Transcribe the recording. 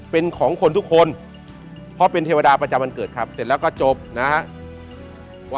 เป็นของคนทุกคนเพราะเป็นเทวดาประจำวันเกิดครับเสร็จแล้วก็จบนะครับ